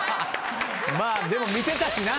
まあでも見てたしな。